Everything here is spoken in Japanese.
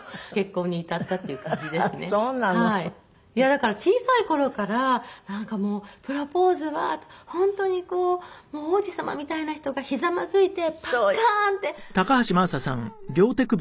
だから小さい頃からなんかもうプロポーズは本当にこう王子様みたいな人がひざまずいてパッカーン！って開けてくれるんだろうな。